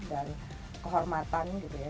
dan kehormatan gitu ya